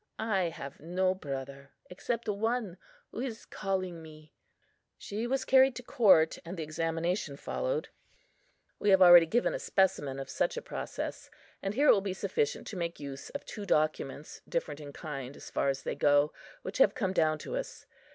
I have no brother, except One, who is calling me." She was carried to court, and the examination followed. We have already given a specimen of such a process; here it will be sufficient to make use of two documents, different in kind, as far as they go, which have come down to us.